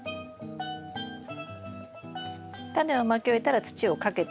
タネをまき終えたら土をかけていきます。